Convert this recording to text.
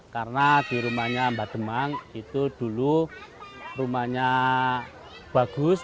karena di rumahnya mbak demang itu dulu rumahnya bagus